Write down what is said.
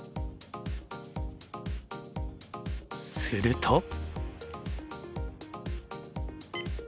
すると。